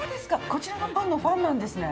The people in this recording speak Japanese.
こちらのパンのファンなんですね。